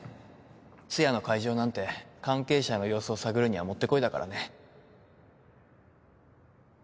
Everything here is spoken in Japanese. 通夜の会場なんて関係者の様子を探るにはもってこいだからね